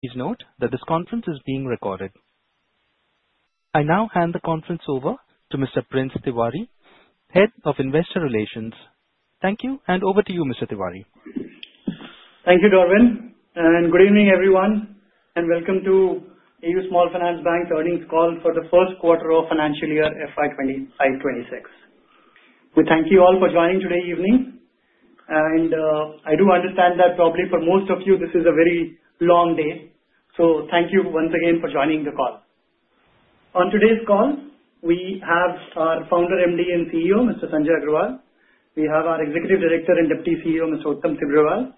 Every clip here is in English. Please note that this conference is being recorded. I now hand the conference over to Mr. Prince Tiwari, Head of Investor Relations. Thank you. Over to you, Mr. Tiwari. Thank you, Darwin, and good evening, everyone, and welcome to AU Small Finance Bank's earnings call for the first quarter of financial year FY 2025-2026. We thank you all for joining this evening, and I do understand that probably for most of you this is a very long day. Thank you once again for joining the call. On today's call, we have our Founder, MD and CEO, Mr. Sanjay Agarwal. We have our Executive Director and Deputy CEO, Mr. Uttam Tibrewal.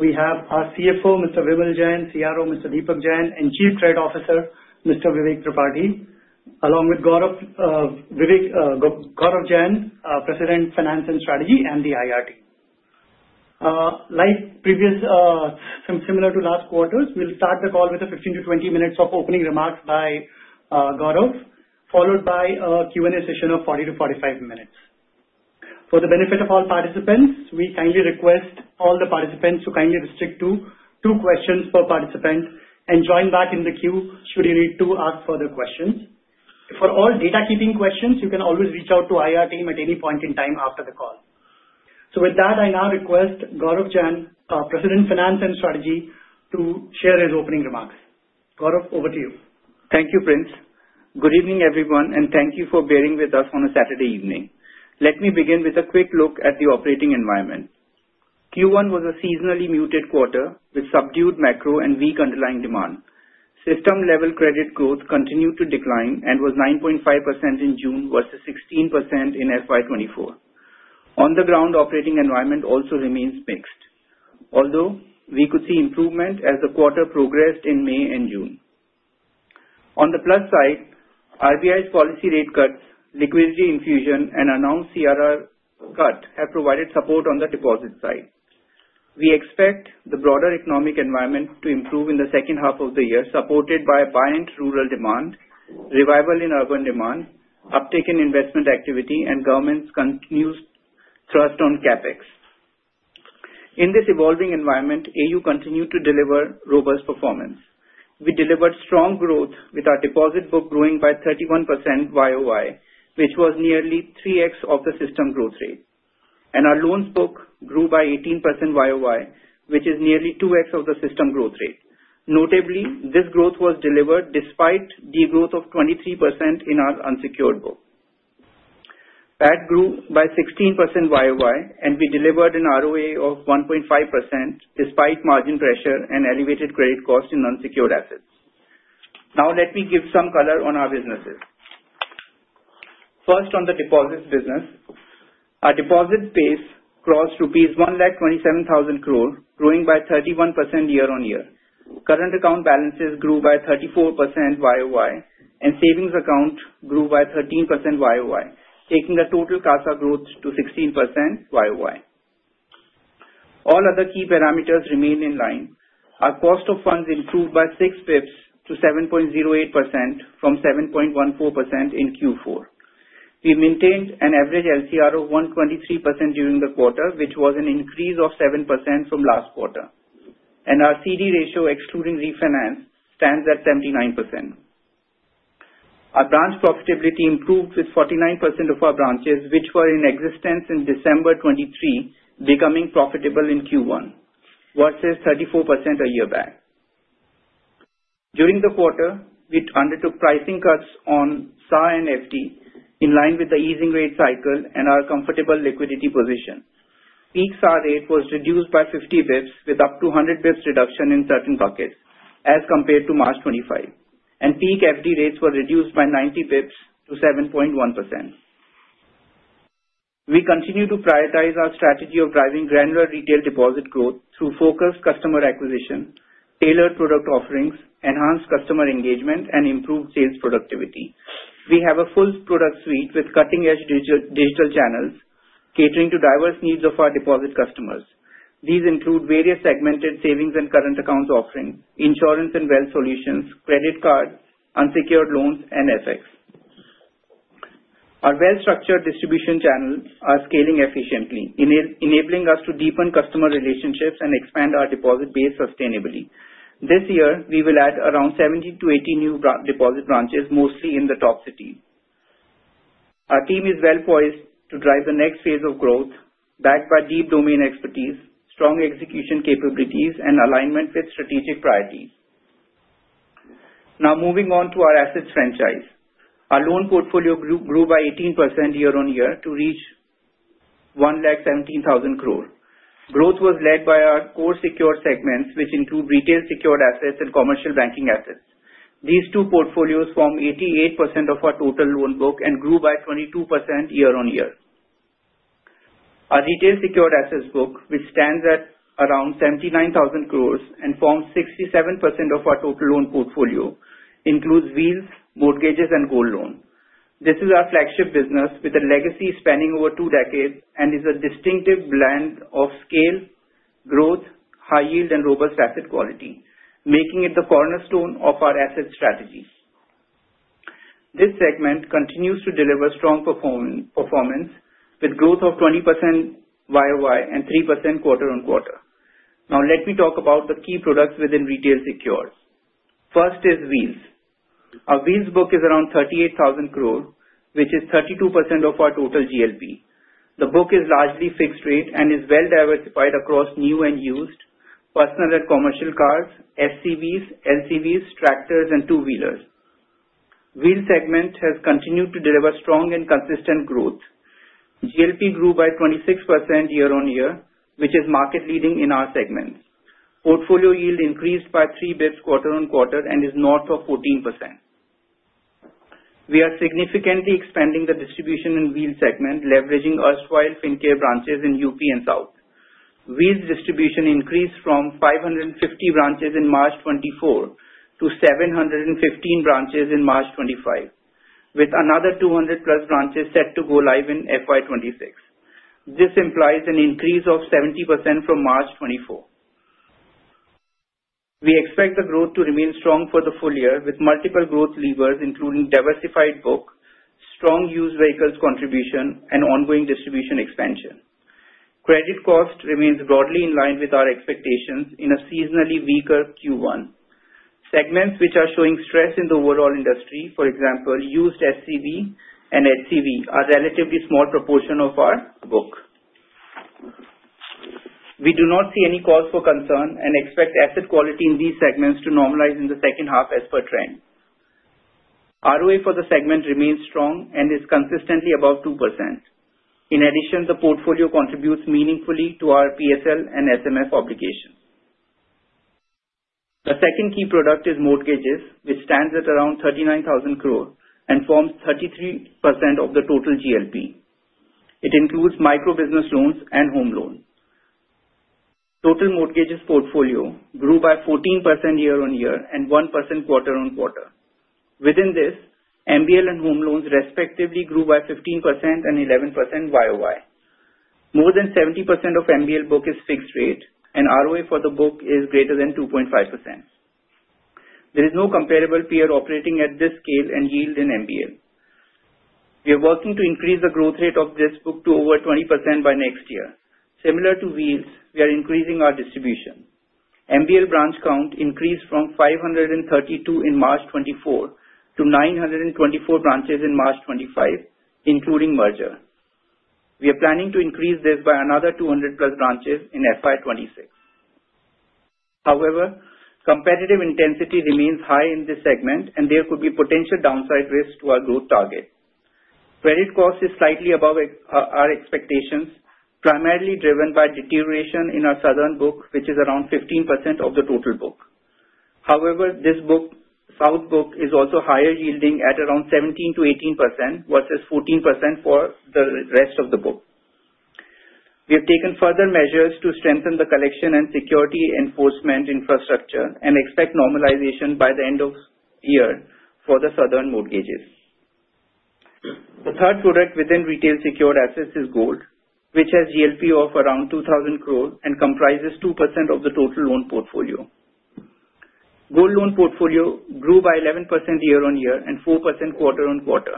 We have our CFO, Mr. Vimal Jain, CRO, Mr. Deepak Jain, and Chief Trade Officer, Mr. Vivek Tripathi, along with Gaurav Jain, President – Finance and Strategy. The IR team. Like previous, similar to last quarter's, we'll start the call with 15 to 20 minutes of opening remarks by Gaurav followed by a Q&A session of 40 to 45 minutes. For the benefit of all participants, we kindly request all the participants to kindly restrict to two questions per participant and join back in the queue should you need to ask further questions. For all data keeping questions, you can always reach out to IR team at. Any point in time after the call. With that, I now request Gaurav Jain, President – Finance & Strategy, to share his opening remarks. Gaurav, over to you. Thank you Prince. Good evening everyone and thank you for bearing with us on a Saturday evening. Let me begin with a quick look at the operating environment. Q1 was a seasonally muted quarter with subdued macro and weak underlying demand. System level credit growth continued to decline and was 9.5% in June versus 16% in FY 2024. On the ground, operating environment also remains mixed although we could see improvement as the quarter progressed in May and June. On the plus side, RBI's policy rate cuts, liquidity infusion, and announced CRR cut have provided support. On the deposit side, we expect the broader economic environment to improve in the second half of the year supported by balance, rural demand, revival in urban demand, uptick in investment activity, and government's continued thrust on CapEx. In this evolving environment, AU continued to deliver robust performance. We delivered strong growth with our deposit book growing by 31% YoY which was nearly 3x of the system growth rate and our loan book grew by 18% YoY which is nearly 2x of the system growth rate. Notably, this growth was delivered despite degrowth of 23% in our unsecured book. PAT grew by 16% YoY and we delivered an ROA of 1.5% despite margin pressure and elevated credit cost in unsecured assets. Now let me give some color on our businesses. First on the deposits business, our deposit base crossed 1,27,000 crore growing by 31% year-on-year. Current account balances grew by 34% YoY and savings account grew by 13% YoY, taking the total CASA growth to 16% YoY. All other key parameters remain in line. Our cost of funds improved by 6 bps to 7.08% from 7.14% in Q4. We maintained an average LCR of 123% during the quarter which was an increase of 7% from last quarter and our CD ratio excluding refinance stands at 79%. Our branch profitability improved with 49% of our branches which were in existence in December 2023 becoming profitable in Q1 versus 34% a year back. During the quarter we undertook pricing cuts on SA and FD in line with the easing rate cycle and our comfortable liquidity position. Peak SA was reduced by 50 bps with up to 100 bps reduction in certain buckets as compared to March 2025 and peak FD rates were reduced by 90 bps to 7.1%. We continue to prioritize our strategy of driving granular retail deposit growth through focused customer acquisition, tailored product offerings, enhanced customer engagement, and improved sales productivity. We have a full product suite with cutting-edge digital channels catering to diverse needs of our deposit customers. These include various segmented savings and current accounts offering insurance and wealth solutions, credit cards, unsecured loans, and FX. Our well-structured distribution channels are scaling efficiently, enabling us to deepen customer relationships and expand our deposit base sustainably. This year we will add around 17 to 18 new deposit branches, mostly in the top cities. Our team is well poised to drive the next phase of growth, backed by deep domain expertise, strong execution capabilities, and alignment with strategic priorities. Now moving on to our assets franchise, our loan portfolio grew by 18% year-on-year to reach 117,000 crore. Growth was led by our core secured segments, which include retail secured assets and commercial banking assets. These two portfolios formed 88% of our total loan book and grew by 22% year-on-year. Our retail secured assets book, which stands at around 79,000 crore and forms 67% of our total loan portfolio, includes Wheels, mortgages, and gold loans. This is our flagship business with a legacy spanning over two decades and is a distinctive blend of scale, growth, high yield, and robust asset quality, making it the cornerstone of our asset strategy. This segment continues to deliver strong performance with growth year-on-year and 3% quarter-on-quarter. Now let me talk about the key products within retail secured. First is Wheels. Our Wheels book is around 38,000 crore, which is 32% of our total GLP. The book is largely fixed rate and is well diversified across new and used personal and commercial cars, SCVs, LCVs, tractors, and two-wheelers. The Wheels segment has continued to deliver strong and consistent growth. GLP grew by 26% year-on-year, which is market leading in our segments. Portfolio yield increased by 3 bps quarter-on-quarter and is north of 14%. We are significantly expanding the distribution in the Wheels segment, leveraging erstwhile Fincare branches in UP and South. Wheels distribution increased from 550 branches in March 2024 to 715 branches in March 2025, with another 200 plus branches set to go live in FY2026. This implies an increase of 70% from March 2024. We expect the growth to remain strong for the full year with multiple growth levers, including diversified book, strong used vehicles contribution, and ongoing distribution expansion. Credit cost remains broadly in line with our expectations in a seasonally weaker Q1. Segments which are showing stress in the overall industry, for example, used SCV and HCV, are a relatively small proportion of our book. We do not see any cause for concern and expect asset quality in these segments to normalize in the second half as per trend. ROA for the segment remains strong and is consistently above 2%. In addition, the portfolio contributes meaningfully to our PSL and SSMF obligations. The second key product is mortgages, which stands at around 39,000 crore and forms 33% of the total GLP. It includes micro business loans and home loan. Total mortgages portfolio grew by 14% year-on-year and 1% quarter-on-quarter. Within this, MBL and home loans respectively grew by 15% year-on-year. More than 70% of the MBL book is fixed rate and ROA for the book is greater than 2.5%. There is no comparable peer operating at this scale and yield in MBL. We are working to increase the growth rate of this book to over 20% by next year. Similar to Wheels, we are increasing our distribution. MBL branch count increased from 532 in March 2024 to 924 branches in March 2025 including merger. We are planning to increase this by another 200 plus branches in FY26. However, competitive intensity remains high in this segment and there could be potential downside risk to our growth target. Credit cost is slightly above our expectations, primarily driven by deterioration in our southern book, which is around 15% of the total book. However, this south book is also higher yielding at around 17% to 18% versus 14% for the rest of the book. We have taken further measures to strengthen the collection and security enforcement infrastructure and expect normalization by the end of year for the southern mortgages. The third product within retail secured assets is gold, which has GLP of around 2,000 crore and comprises 2% of the total loan portfolio. Gold loan portfolio grew by 11% year-on-year and 4% quarter-on-quarter.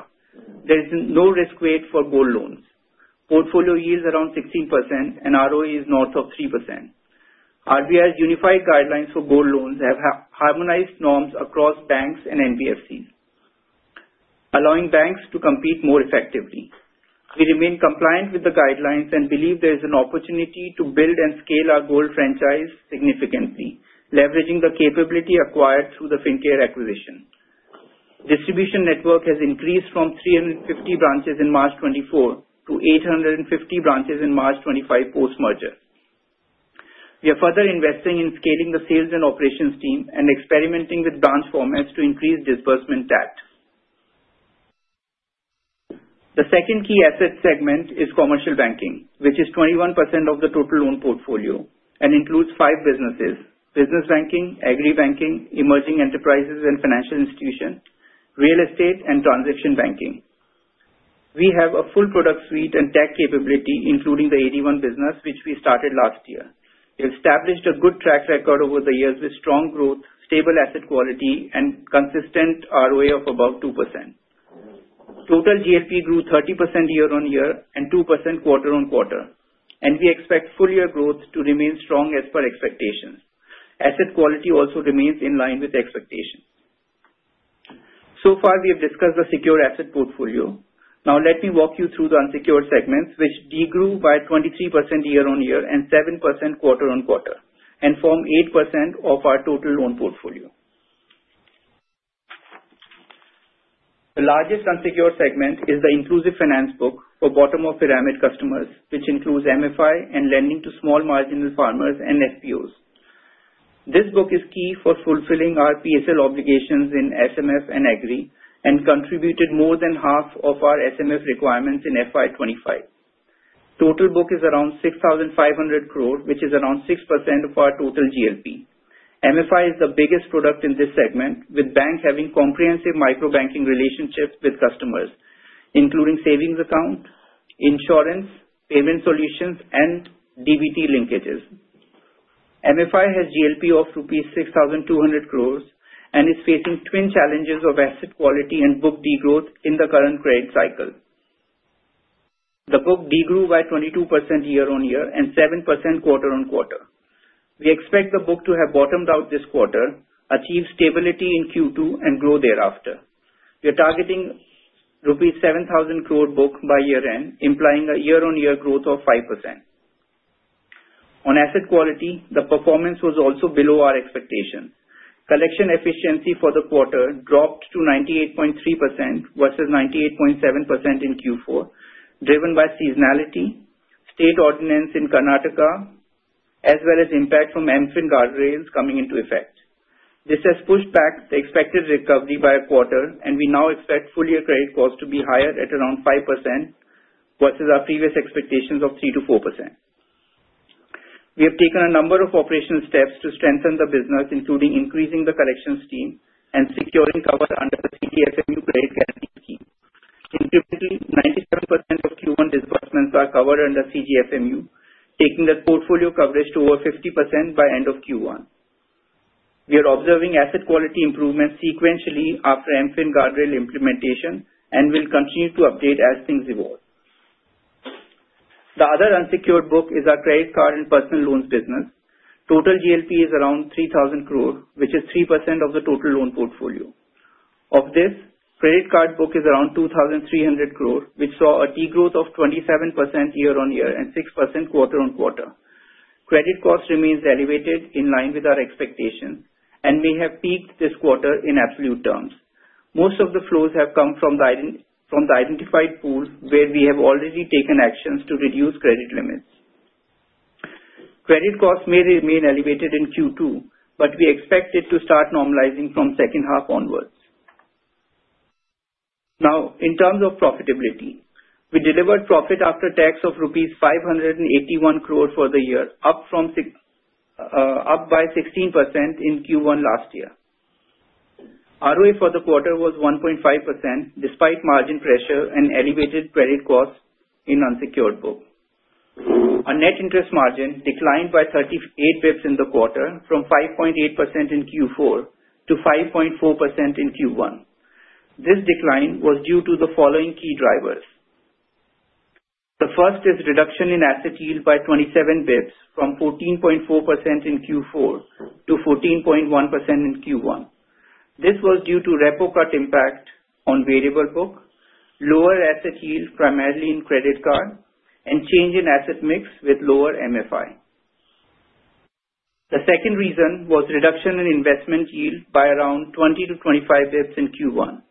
There is no risk weight for gold loans. Portfolio yields around 16% and ROE is north of 3%. RBI's unified guidelines for gold loans have harmonized norms across banks and NBFCs, allowing banks to compete more effectively. We remain compliant with the guidelines and believe there is an opportunity to build and scale our gold franchise significantly. Leveraging the capability acquired through the Fincare Small Finance Bank acquisition, distribution network has increased from 350 branches in March 2024 to 850 branches in March 2025 post merger. We are further investing in scaling the sales and operations team and experimenting with branch formats to increase disbursement TAT. The second key asset segment is commercial banking, which is 21% of the total loan portfolio and includes five businesses: business banking, Agri banking, Emerging Enterprises and Financial Institutions, Real Estate, and Transaction Banking. We have a full product suite and tech capability, including the AD1 business, which we started last year. We established a good track record over the years with strong growth, stable asset quality, and consistent ROA of about 2%. Total GLP grew 30% year-on-year and 2% quarter-on-quarter, and we expect full year growth to remain strong as per expectations. Asset quality also remains in line with expectations. So far, we have discussed the secured asset portfolio. Now let me walk you through the unsecured segments, which degrew by 23% year-on-year and 7% quarter-on-quarter and form 8% of our total loan portfolio. The largest unsecured segment is the Inclusive Finance Book for bottom of pyramid customers, which includes microfinance (MFI) and lending to small marginal farmers and FPOs. This book is key for fulfilling our PSL obligations in SMF and Agri and contributed more than half of our SSMF requirements in FY2025. Total book is around 6,500 crore, which is around 6% of our total GLP. MFI is the biggest product in this segment, with the bank having comprehensive micro banking relationships with customers and including savings accounts, insurance, payment solutions, and DBT linkages. MFI has GLP of rupees 6,200 crore and is facing twin challenges of asset quality and book degrowth. In the current credit cycle, the book degrew by 22% year-on-year and 7% quarter-on-quarter. We expect the book to have bottomed out this quarter, achieve stability in Q2, and grow thereafter. We are targeting rupees 7,000 crore book by year end, implying a year-on-year growth of 5%. On asset quality, the performance was also below our expectations. Collection efficiency for the quarter dropped to 98.3% versus 98.7% in Q4, driven by seasonality, state ordinance in Karnataka, as well as impact from MFIN guardrails coming into effect. This has pushed back the expected recovery by a quarter, and we now expect full year credit cost to be higher at around 5% versus our previous expectations of 3% to 4%. We have taken a number of operational steps to strengthen the business, including increasing the collections team and securing cover under the CGFMU Credit Guarantee Scheme. 97% of Q1 disbursements are covered under CGFMU, taking the portfolio coverage to over 50% by end of Q1. We are observing asset quality improvements sequentially after MFIN guardrail implementation and will continue to update as things evolve. The other unsecured book is our credit card and personal loans business. Total GLP is around 3,000 crore, which is 3% of the total loan portfolio. Of this, credit card book is around 2,300 crore, which saw a T growth of 27% year-on-year and 6% quarter-on-quarter. Credit cost remains elevated in line with our expectation and may have peaked this quarter in absolute terms. Most of the flows have come from the identified pool where we have already taken actions to reduce credit limits. Credit costs may remain elevated in Q2, but we expect it to start normalizing from second half onwards. Now, in terms of profitability, we delivered profit after tax of rupees 581 crore for the year, up by 16% in Q1. Last year, ROA for the quarter was 1.5%. Despite margin pressure and elevated credit costs in unsecured book, our net interest margin declined by 38 bps in the quarter from 5.8% in Q4 to 5.4% in Q1. This decline was due to the following key drivers. The first is reduction in asset yield by 27 bps from 14.4% in Q4 to 14.1% in Q1. This was due to repo cut impact on variable book, lower asset yield primarily in credit card, and change in asset mix with lower MFI. The second reason was reduction in investment yield by around 20 to 25 bps in Q1.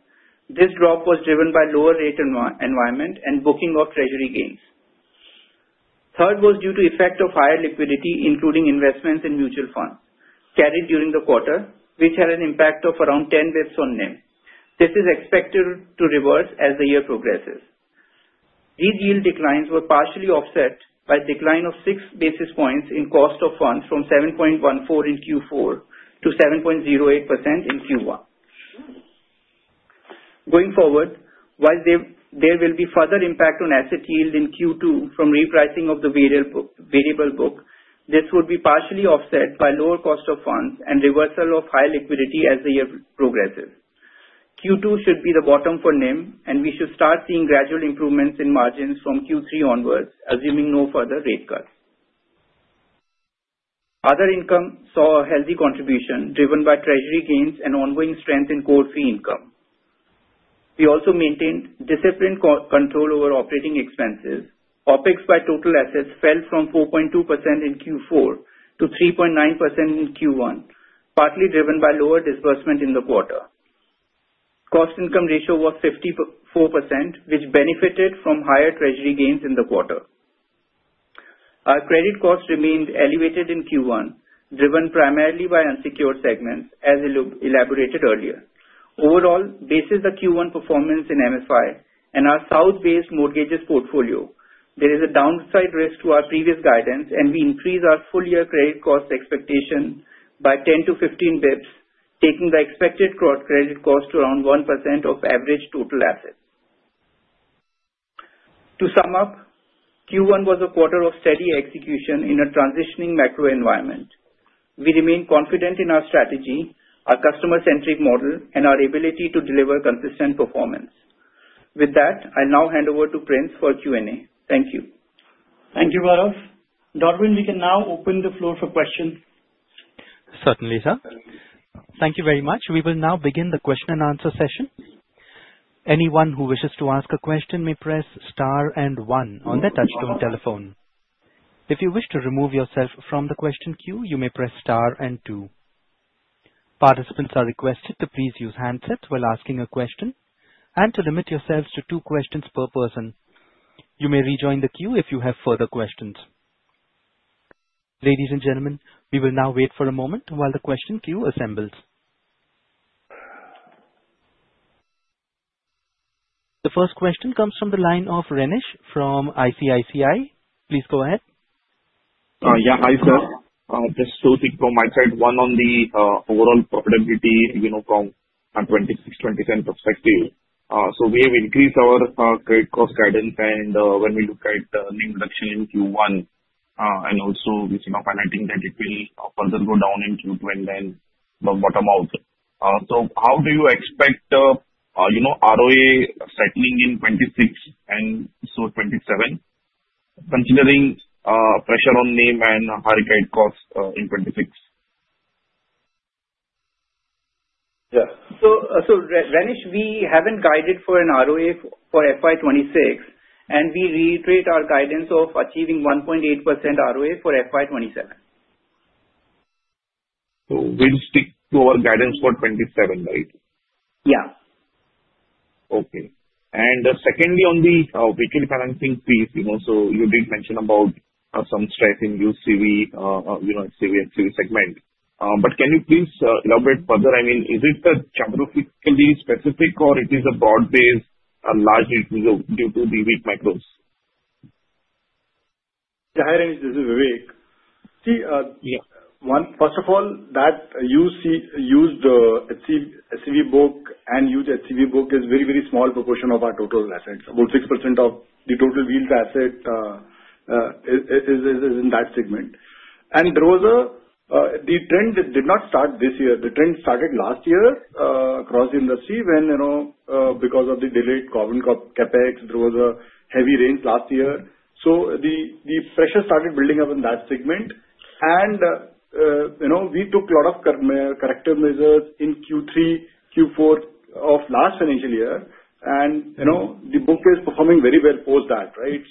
This drop was driven by lower rate environment and booking of treasury gains. Third was due to effect of higher liquidity, including investments in mutual funds carried during the quarter, which had an impact of around 10 bps on NIM. This is expected to reverse as the year progresses. These yield declines were partially offset by decline of 6 basis points in cost of funds from 7.14% in Q4 to 7.08% in Q1. Going forward, while there will be further impact on asset yield in Q2 from repricing of the variable book, this would be partially offset by lower cost of funds and reversal of high liquidity as the year progresses. Q2 should be the bottom for NIM and we should start seeing gradual improvements in margins from Q3 onwards assuming no further rate cuts. Other income saw a healthy contribution driven by treasury gains and ongoing strength in core fee income. We also maintained disciplined control over operating expenses. OpEx by total assets fell from 4.2% in Q4 to 3.9% in Q1, partly driven by lower disbursement in the quarter. Cost-to-income ratio was 54% which benefited from higher treasury gains in the quarter. Our credit cost remained elevated in Q1 driven primarily by unsecured segments as elaborated earlier. Overall, based on the Q1 performance in MFI and our South-based mortgages portfolio, there is a downside risk to our previous guidance and we increase our full year credit cost expectation by 10 to 15 bps, taking the expected credit cost to around 1% of average total assets. To sum up, Q1 was a quarter of steady execution in a transitioning macro environment. We remain confident in our strategy, our customer-centric model, and our ability to deliver consistent performance. With that, I now hand over to Prince for Q&A. Thank you. Thank you. Gaurav. Darvin we can now open the floor for questions. Certainly sir. Thank you very much. We will now begin the question and answer session. Anyone who wishes to ask a question may press STAR and 1 on their touch-tone telephone. If you wish to remove yourself from the question queue, you may press STAR and 2. Participants are requested to please use handsets while asking a question and to limit yourselves to two questions per person. You may rejoin the queue if you have further questions. Ladies and gentlemen, we will now wait for a moment while the question queue assembles. The first question comes from the line of Renish from ICICI. Please go ahead. Yeah. Hi sir, just two things from my side. One on the overall profitability, you know, from 2026, 2027 perspective. We have increased our credit cost guidance and when we look at earning reduction in Q1 and also we think that it will further go down in Q2 and then bottom out. How do you expect, you know, ROA settling in 2026 and 2027 considering pressure on NIM and credit costs in 2026. Yeah. We haven't guided for an ROA for FY26, and we reiterate our guidance of achieving 1.8% ROA for FY27. We'll stick to our guidance for 27, right? Yeah. Okay. Secondly, on the Wheels (vehicle financing) piece, you did mention about some stress in UCV, you know, CV and CV segment. Can you please elaborate further? I mean, is it geographically specific or is it broad based largely due to the weak macros? This is Vivek. First of all, that used SCV book and used HCV book is a very, very small proportion of our total assets. About 6% of the total Wheels asset is in that segment. The trend did not start this year. The trend started last year crossing the Q1 because of the delayed CapEx. There was heavy rain last year, so the pressure started building up in that segment and we took a lot of corrective measures in Q3 and Q4 of last financial year, and the book is performing very well post that. Right.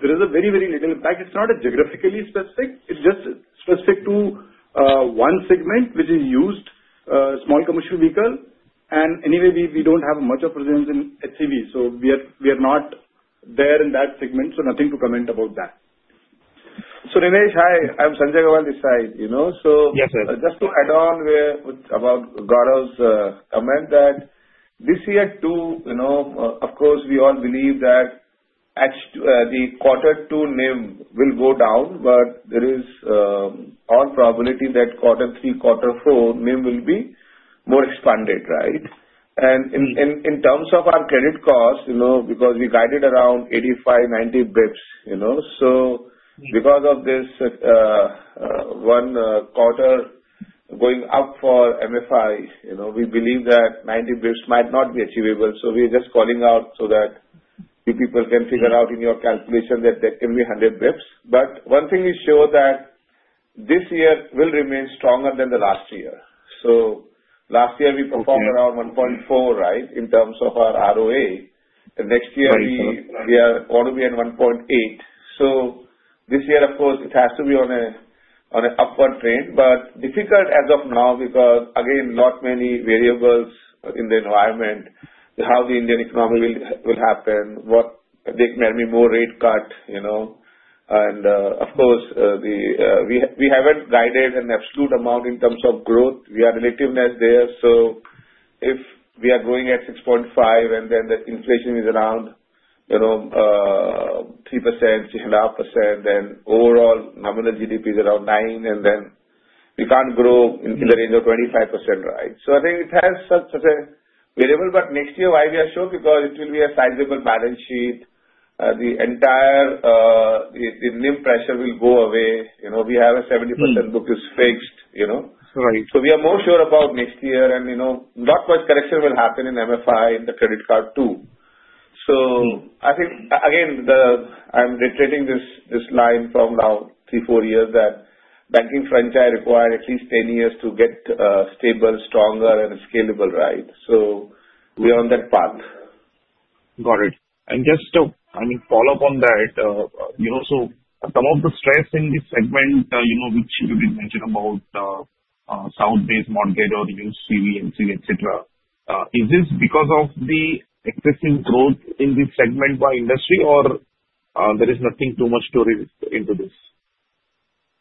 There is a very, very little impact. It's not geographically specific, it's just specific to one segment, which is used small commercial vehicle. Anyway, we don't have much of a presence in HCV, so we are not there in that segment. Nothing to comment about that. Dinesh, I'm Sanjay Agarwal this side. Just to add on about Gaurav's comment, this year too, of course we all believe that the Q2 NIM will go down, but there is all probability that Q3, Q4 NIM will be more expanded. Right. In terms of our credit cost, because we guided around 85-90 bps, because of this one quarter going up for MFI, we believe that 90 bps might not be achievable. We're just calling out so that you people can figure out in your calculation that that can be 100 bps. One thing we show is that this year will remain stronger than last year. Last year we performed around 1.4, right, in terms of our ROA. Next year we want to be at 1.8. This year, of course, it has to be on an upward trend. Difficult as of now because again, not many variables in the environment, how the Indian economy will happen. What they made me more rate cut, you know. Of course we haven't guided an absolute amount in terms of growth. We are relativeness there. If we are growing at 6.5 and then the inflation is around, you know, 3%, 6.5% and overall nominal GDP is around 9 and then we can't grow in the range of 25%. Right. I think it has such a. Next year why we are sure because it will be a sizable balance sheet. The entire NIM pressure will go away. We have a 70% book is fixed, you know. Right. We are more sure about next year, and you know, not much correction will happen in MFI, in the credit card too. I think again I'm reiterating this line from now three, four years, that banking franchise require at least 10 years to get stable, stronger, and scalable. Right, so beyond that path. Got it. Just, I mean, follow up on that, you know. Some of the stress in this. Segment, you know, which you did mention about south-based mortgage or UCV and CV, etc. Is this because of the excessive growth in this segment by industry, or there is nothing too much to read into this?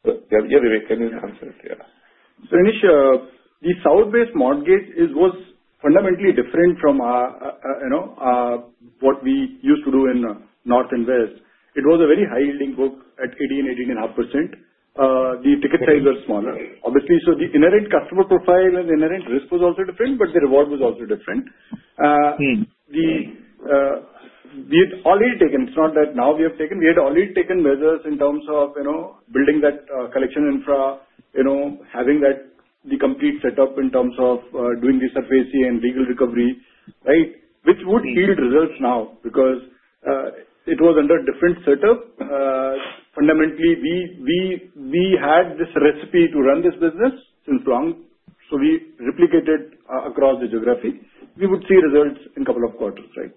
Can you answer it here? The south-based mortgage was fundamentally. Different from. What we used to do in North and West, it was a very high yielding book at 18%, 18.5%. The ticket size was smaller, obviously. So the inherent customer profile and inherent. Risk was also different. The reward was also different. We had already taken measures in terms of building that collection infra, having the complete setup in terms of doing the survey and legal recovery, which would yield results. Now, because it was under different setup, fundamentally we had this recipe to run this business since long. We replicated across the geography. We would see results in couple of quarters. Right.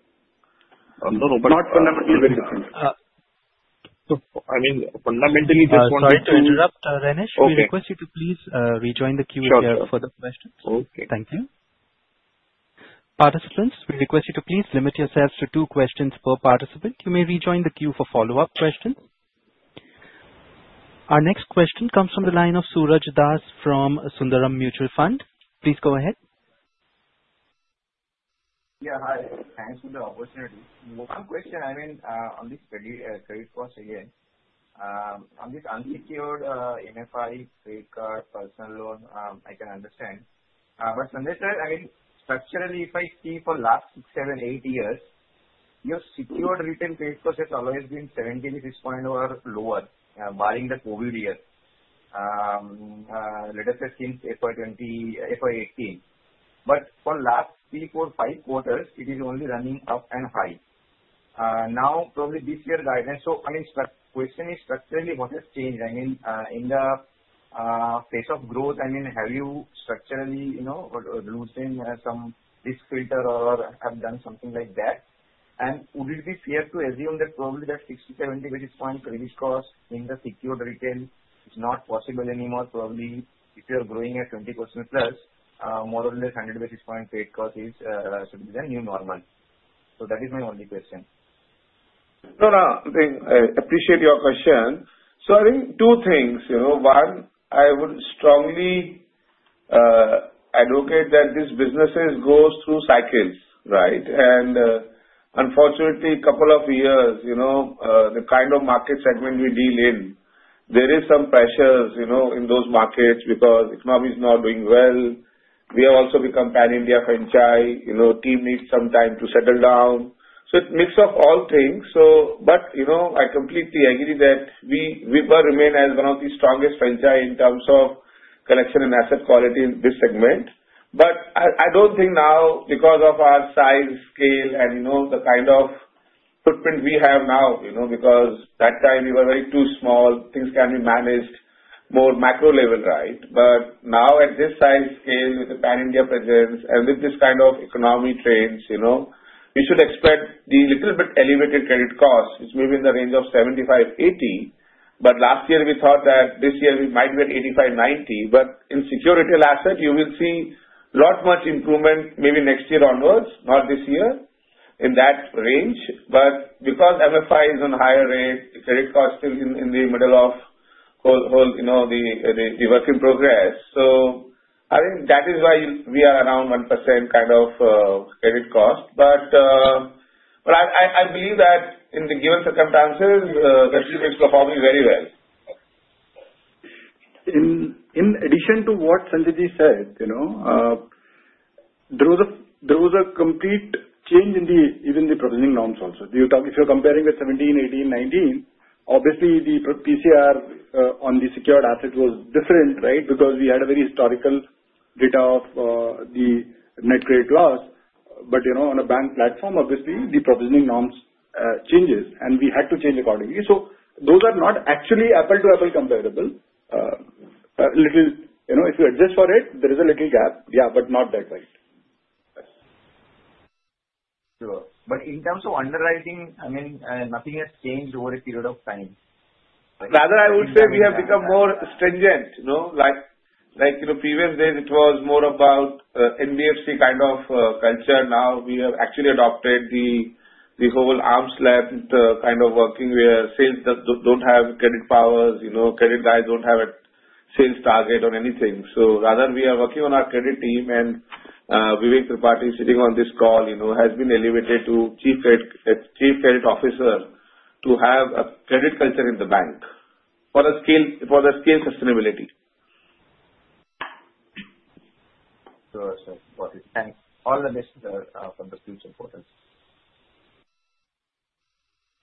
Not fundamentally very different. I mean fundamentally this one. Sorry to interrupt. Renish, we request you to please rejoin the Q&A further for the questions. Thank you. Participants, we request you to please limit yourselves to two questions per participant. You may rejoin the queue for follow-up questions. Our next question comes from the line of Suraj Das from Sundaram Mutual Fund. Please go ahead. Yeah, hi, thanks for the opportunity. One question, I mean on this credit cost again on this unsecured MFI, credit card, personal loan I can understand, but I mean structurally if I see for last 6, 7, 8 years your secured written credit cost has always been 76.0 or lower barring the COVID year, let us say since FY 2020, FY 2018. For last 3, 4, 5 quarters it is only running up and high now, probably this year guidance. The question is structurally what has changed? I mean in the face of growth, have you structurally, you know, loosened some risk filter or have done something like that? Would it be fair to assume that probably that 60, 70 basis point credit cost in the secured retail is not possible anymore? Probably if you're growing at 20% plus, more or less 100 basis point credit cost is the new normal. That is my only question. No, no, I appreciate your question. I think two things, you know. One, I would strongly advocate that these businesses go through cycles, right? Unfortunately, a couple of years, you know, the kind of market segment we deal in, there is some pressure in those markets because the economy is not doing well. We have also become Pan-India franchise, team needs some time to settle down. It's a mix of all things. I completely agree that VYPA remains as one of the strongest franchise in terms of collection and asset quality in this segment. I don't think now, because of our size, scale, and the kind of footprint we have now, because at that time we were very too small, things can be managed more macro level, right? Now at this size, scale, with the Pan-India presence and with this kind of economy trends, you know, we should expect a little bit elevated credit cost which may be in the range of 75, 80. Last year we thought that this year we might be at 85, 90. In securitial asset you will see a lot much improvement maybe next year onwards, not this year in that range, but because MFI is on higher rate, credit cost still in the middle of the work in progress. I think that is why we are around 1% kind of credit cost. I believe that in the given circumstances the group is performing very well. In addition to what Sanjay Ji said. There. Was a complete change in even the provisioning norms. Also, if you're comparing with 2017, 2018, 2019, obviously the PCR on the secured asset was different, right? Because we had a very historical data of the net credit loss. On a bank platform, obviously the provisioning norms change and we had to change accordingly. Those are not actually apple-to-apple comparable. If you adjust for it, there is a little gap, yeah, but not that. Right. In terms of underwriting, I mean nothing has changed over a period of time. Rather I would say we have become more stringent. You know, like previous days it was more about NBFC kind of culture. Now we have actually adopted the whole ARM-slant kind of working. Our sales don't have credit powers. Credit guys don't have a sales target or anything. We are working on our credit team, and Vivek Tripathi sitting on this call has been elevated to Chief Credit Officer to have a credit culture in the bank for the scale, for the scale sustainability. All the messengers from the future portals.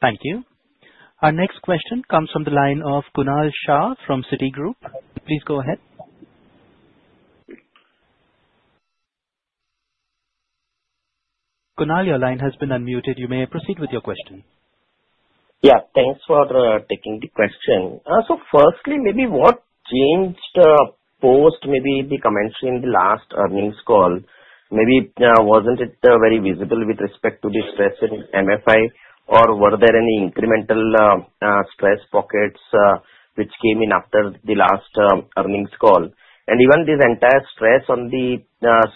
Thank you. Our next question comes from the line of Kunal Shah from Citigroup. Please go ahead. Kunal, your line has been unmuted. You may proceed with your question. Yeah, thanks for taking the question. Firstly, maybe what changed post maybe. The commentary in the last earnings call maybe wasn't very visible with respect to the stress in microfinance or were there any incremental stress pockets which came in after the last earnings call and even this entire stress on the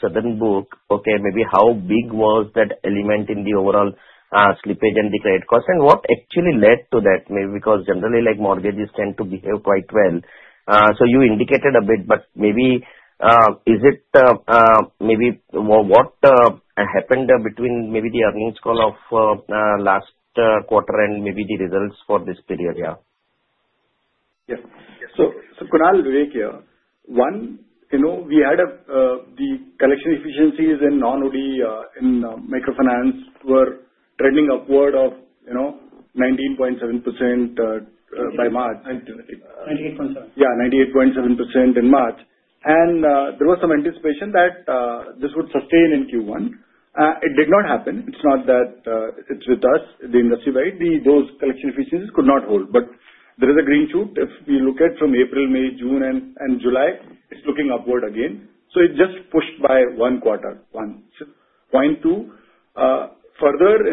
southern book. Okay, maybe how big was that element in the overall slippage and the credit cost and what actually led to that? Maybe because generally like mortgages tend to behave quite well. You indicated a bit, but maybe what actually happened between the earnings call of last quarter and the results for this period? Yeah. Kunal, Vivek here. You know, we had the collection efficiencies in non-OD in microfinance were trending upward of 98.7% by March. There was some anticipation that this would sustain in Q1. It did not happen. It's not that it's with us; industry-wide, those collection efficiencies could not hold. There is a green shoot. If we look at April, May, June, and July, it's looking upward again. It just pushed by one quarter further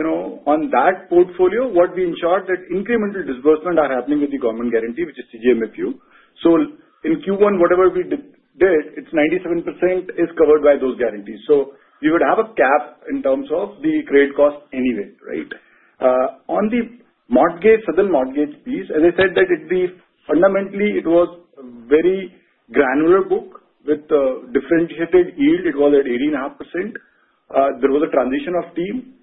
on that portfolio. What we ensured is that incremental disbursement is happening with the government guarantee, which is still CGFMU. In Q1, whatever we did, 97% is covered by those guarantees. You would have a cap in terms of the credit cost anyway. Right. On the southern mortgage piece, as I said, fundamentally it was a very granular book with differentiated yield. It was at 18.5%. There was a transition of team.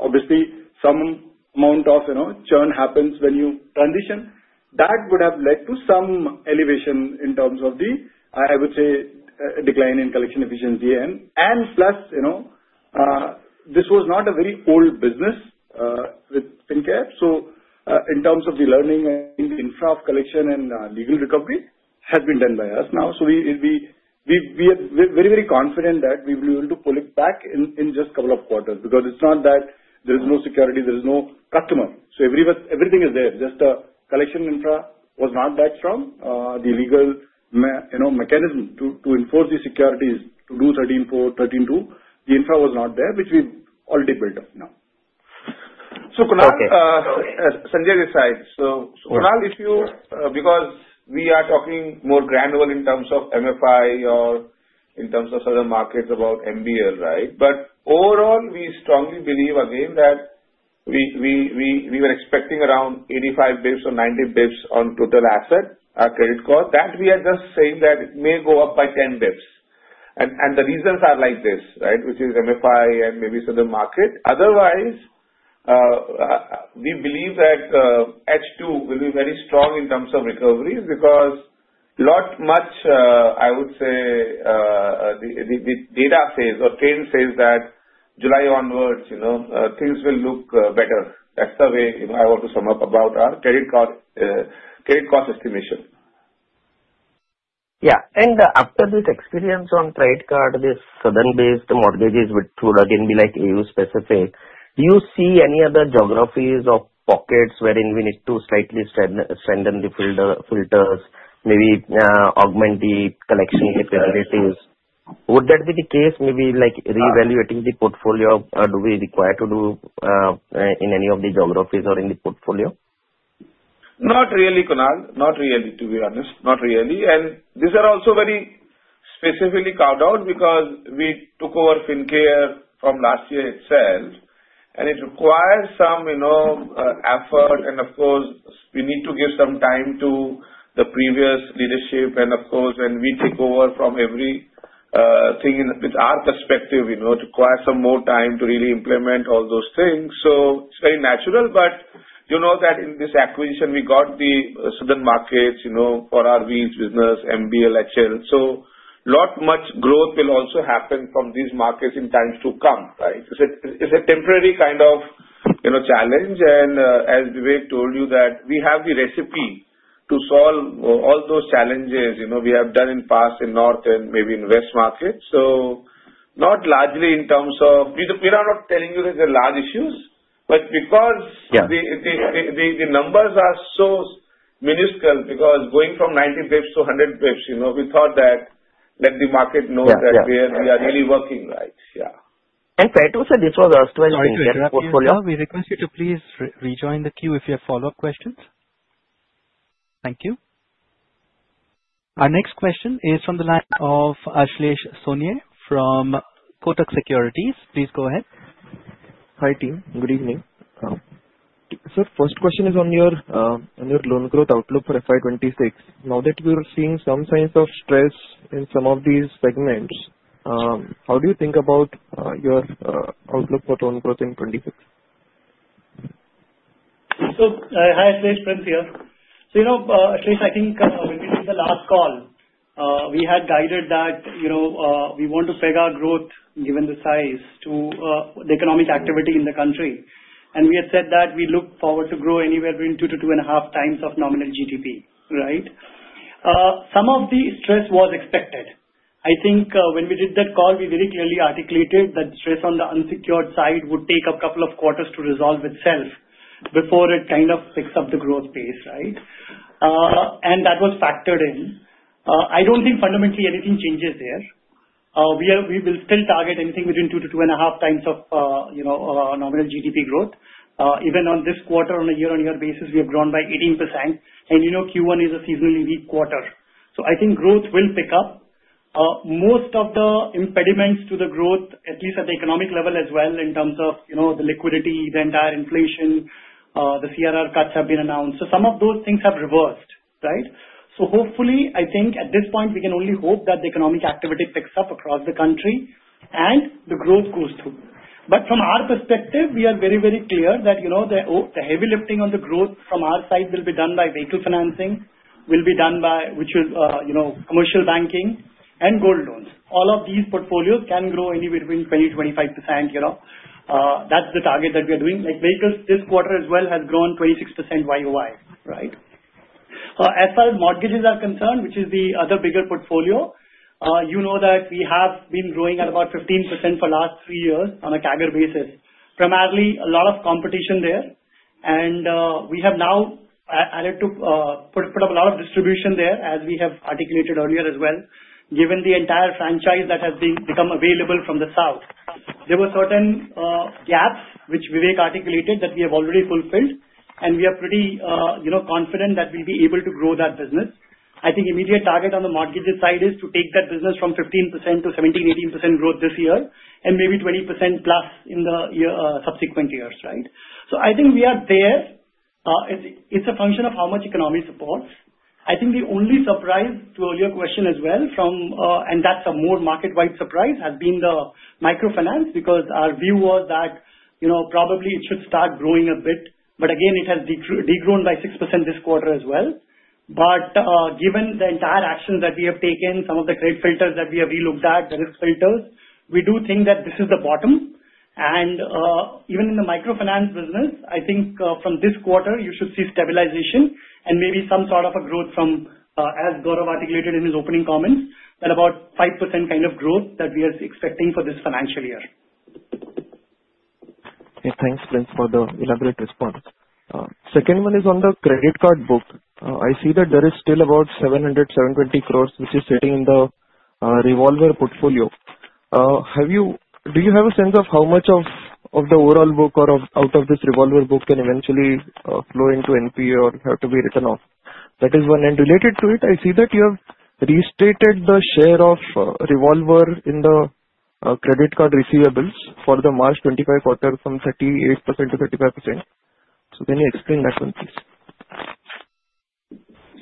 Obviously, some amount of churn happens when you transition; that would have led to some elevation in terms of the, I would say, decline in collection efficiency. Plus, this was not a very old business with Fincare. In terms of the learning, infra collection and legal recovery has been done by us now. We are very, very confident that we will be able to pull it back in just a couple of quarters because it's not that there is no security, there is no customer. Everything is there. Just the collection infra was not that strong. The legal mechanism to enforce the securities, to do 13(4), 13(2), the infra was not there, which we already built up now. Kunal, if you, because we are talking more granular in terms of microfinance or in terms of certain markets about MFI, right. Overall, we strongly believe again that we were expecting around 85 bps or 90 bps on total asset credit cost. We are just saying that it may go up by 10 bps and the reasons are like this, which is microfinance and maybe southern market. Otherwise, we believe that H2 will be very strong in terms of recovery because not much, I would say, the data says or trend says that July onwards, you know, things will look better. That's the way I want to sum up about our credit card credit cost estimation. Yeah. After this experience on credit cards. This southern-based mortgages which would again be like AU specific. Do you see any other geographies or pockets wherein we need to slightly strengthen the filters, maybe augment the collection capabilities? Would that be the case? Maybe like reevaluating the portfolio. Do we require to do in any of the geographies or in the portfolio? Not really, Kunal. Not really, to be honest. Not really. These are also very specifically carved out because we took over Fincare Small Finance Bank from last year itself, and it requires some effort, and of course we need to give some time to the previous leadership. Of course, when we take over everything with our perspective, it requires some more time to really implement all those things. It is very natural. In this acquisition, we got the southern markets for RV business, MBL, HL, so not much growth will also happen from these markets in times to come. It is a temporary kind of challenge. As Vivek Tripathi told you, we have the recipe to solve all those challenges we have done in the past in north and maybe in west market. Not largely in terms of, we are not telling you that the large issues, but because the numbers are so minuscule, because going from 90 bps to 100 bps, we thought that let the market know that we are really working. Right. Yeah. is fair to say this was Q4 FY 2024. We request you to please rejoin the queue if you have follow-up questions. Thank you. Our next question is from the line of Ashlesh Sonje from Kotak Securities. Please go ahead. Hi team. Good evening sir. First question is on your loan growth outlook for FY 2026. Now that we are seeing some signs of stress in some of these segments, how do you think about your outlook for loan growth in 2026? Hi, Ashlesh, Prince here. Ashlesh, I think when we did the last call we had guided that we want to peg our growth, given the size, to the economic activity in the country. We had said that we look forward to grow anywhere between 2 to 2.5 times of nominal GDP. Right. Some of the stress was expected. I think when we did that call we very clearly articulated that stress on the unsecured side would take a couple of quarters to resolve itself before it kind of picks up the growth pace. That was factored in. I don't think fundamentally anything changes there. We will still target anything within 2 to 2.5 times of nominal GDP growth. Even on this quarter, on a year-on-year basis, we have grown by 18% and you know, Q1 is a seasonally weak quarter. I think growth will pick up most of the impediments to the growth, at least at the economic level as well. In terms of the liquidity, the entire inflation, the CRR cuts have been announced. Some of those things have reversed. Right. Hopefully, at this point we can only hope that the economic activity picks up across the country and the growth goes through. From our perspective, we are very, very clear that the heavy lifting on the growth from our side will be done by vehicle financing, commercial banking, and gold loans. All of these portfolios can grow anywhere between 20% to 25%. That's the target that we are doing. Vehicles this quarter as well has grown 26% YoY. As far as mortgages are concerned, which is the other bigger portfolio, you know that we have been growing at about 15% for the last three years on a CAGR basis, primarily a lot of competition there and we have now added to put up a lot of distribution there as we have articulated earlier as well. Given the entire franchise that has become available from the south, there were certain gaps which Vivek articulated that we have already fulfilled and we are pretty confident that we'll be able to grow that business. The immediate target on the mortgages side is to take that business from 15% to 17-18% growth this year and maybe 20% plus in the subsequent years. I think we are there. It's a function of how much economic support. The only surprise to your question as well, and that's a more market-wide surprise, has been the microfinance because our view was that probably it should start growing a bit but again it has degrown by 6% this quarter as well. Given the entire actions that we have taken, some of the credit filters that we have relooked at, the risk filters, we do think that this is the bottom and even in the microfinance business I think from this quarter you should see stabilization and maybe some sort of a growth from, as Gaurav articulated in his opening comments, that about 5% kind of growth that we are expecting for this financial year. Thanks, Prince, for the elaborate response. The second one is on the credit card book. I see that there is still about 700, 720 crore which is sitting in the Revolver portfolio. Do you have a sense of how much of the overall book or out of this Revolver book can eventually flow into NPAs or have to be written off? That is one. Related to it, I see that you have restated the share of Revolver in the credit card receivables for the March 2025 quarter from 38% to 35%. Can you explain that one, please?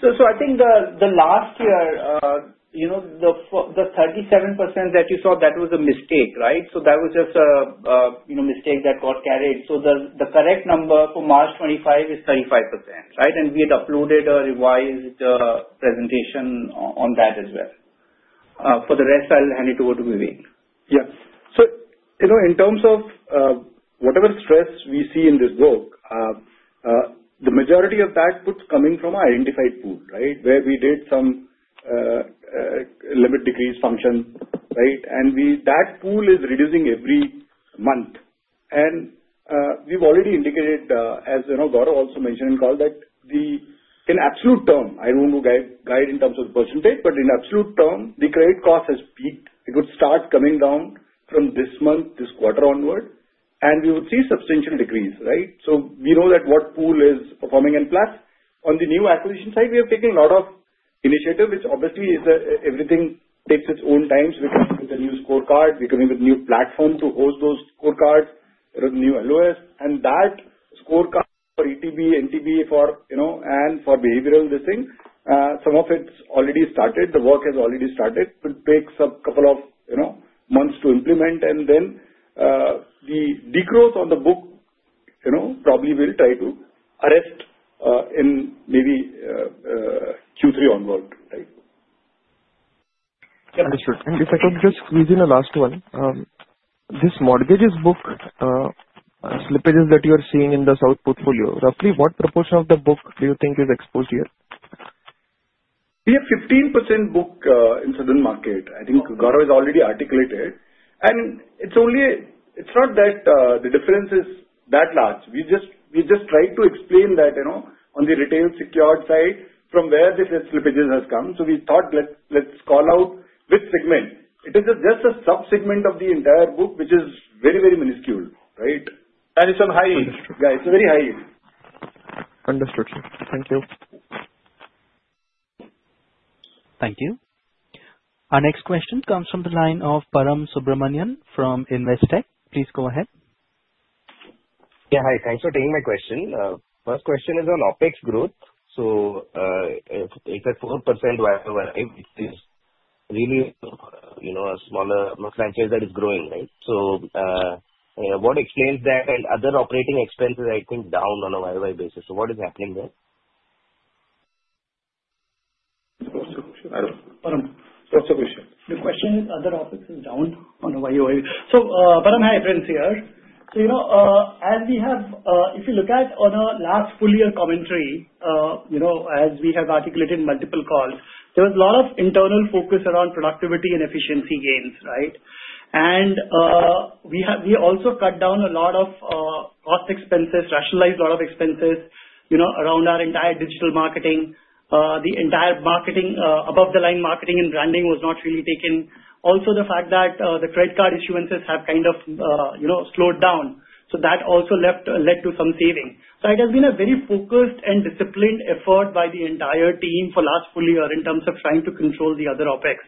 I think the last year, you. The 37% that you saw, that was a mistake, right? That was just a mistake that got carried. The correct number for March 25 is 35%. We had uploaded a revised presentation. On that as well. For the rest I'll hand it over to Vivek. Yeah, so in terms of whatever stress we see in this book, the majority of that is coming from identified pool where we did some limit decrease function, and that pool is reducing every month. We've already indicated, as Gaurav also mentioned in the call, that in absolute term I don't want to guide in terms of %, but in absolute term the credit cost has peaked. It would start coming down from this month, this quarter onward, and we would see substantial decrease. Right. We know what pool is performing, and plus on the new acquisition side we have taken a lot of initiative, which obviously everything takes its own time. We're coming with a new scorecard. We're coming with new platform to host those scorecards, new and lowest. That scorecard for ETB, NTB, and for behavioral, this thing, some of it's already started. The work has already started. It takes a couple of months to implement, and then the degrowth on the book probably will try to arrest in maybe Q3 onward. Understood. If I could just squeeze in the last one, this mortgages book, slippages that you are seeing in the south portfolio, roughly what proportion of the book do you think is exposed here? We have 15% book in southern market. I think Gaurav has already articulated. It's not that the difference is that large. We just tried to explain that on the retail secured side from where the slippages has come. We thought let's call out which segment. It is just a sub segment of the entire book which is very, very minuscule. Right. It's on high yield. Yeah, it's a very high yield. Understood. Thank you. Thank you. Our next question comes from the line of Param Subramanian from Investec. Please go ahead. Yeah, hi. Thanks for taking my question. First question is on OpEx growth. It's at 4%. Really a smaller franchise that is growing. Right. What explains that? Other operating expenses, I think, are down on a YoY basis. What is happening there? What's the question? The question is other offices down on a YoY. Prince here. As we have, if you look at on a last full year commentary, as we have articulated multiple calls, there was a lot of internal focus around productivity and efficiency gains. Right. We also cut down a lot of cost expenses, rationalized a lot of expenses around our entire digital marketing. The entire above-the-line marketing and branding was not really taken. Also, the fact that the credit card issuances have kind of slowed down led to some savings. It has been a very focused and disciplined effort by the entire team for the last full year in terms of trying to control the other OpEx.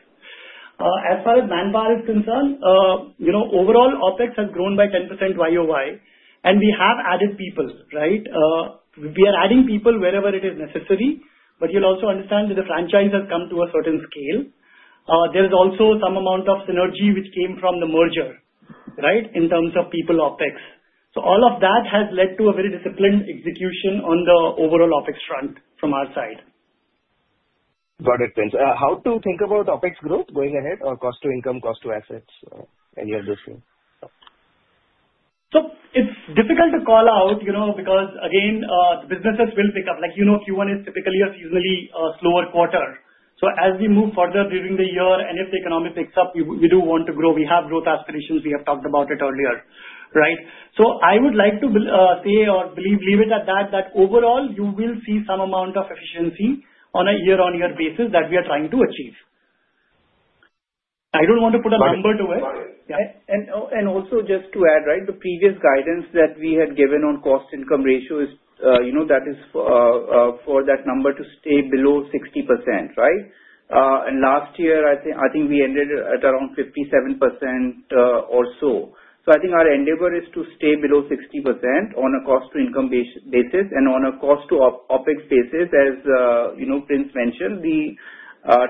As far as manpower is concerned, overall OpEx has grown by 10% YoY, and we have added people. We are adding people wherever it is necessary. You will also understand that the franchise has come to a certain scale. There is also some amount of synergy which came from the merger. Right. In terms of people OpEx, all of that has led to a very disciplined execution on the overall OpEx front from our side. Got it, Prince. How to think about OpEx growth going ahead or cost-to-income, cost-to-assets, any of this. It's difficult to call out, you know, because again businesses will pick up. Q1 is typically a seasonally slower quarter. As we move further during the year and if the economy picks up, we do want to grow, we have growth aspirations. We have talked about it earlier. Right. I would like to say, or leave it at that, that overall you will see some amount of efficiency on a year-on-year basis that we are trying to achieve. I don't want to put a number to it. Just to add, the previous guidance that we had given on cost-to-income ratio is for that number to stay below 60%. Last year I think we ended at around 57%. I think our endeavor is to stay below 60% on a cost-to-income basis and on a cost-to-OpEx basis. As Prince mentioned, the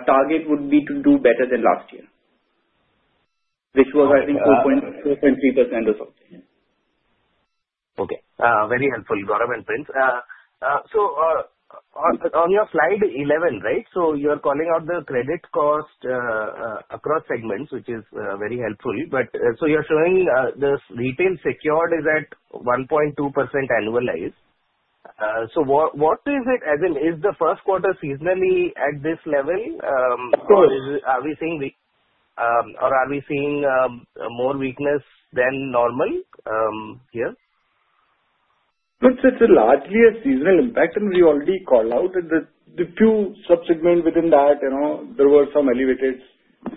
target would be to do better than last year, which was I think 4.3% or something. Okay, very helpful. Gaurav and Prince. On your slide 11, right, you are calling out the credit cost across segments, which is very helpful. You are showing this region retail secured is at 1.2% annualized. What is it as in is. The first quarter seasonally at this level? Are we seeing weak or are we seeing more weakness than normal here? It'S. Largely a seasonal impact, and we already called out the few sub-segments within that there were some elevated